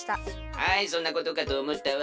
はいそんなことかとおもったわ。